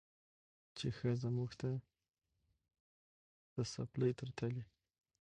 چې ښځه موږ ته د څپلۍ تر تلي